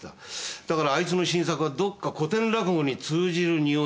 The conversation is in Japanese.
だからあいつの新作はどっか古典落語に通じる匂いがありましたよ。